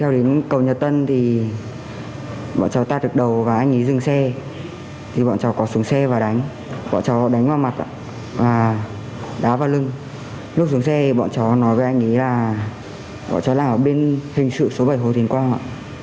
lúc xuống xe bọn chó nói với anh ấy là bọn chó đang ở bên hình sự số bảy hồ thịnh quang ạ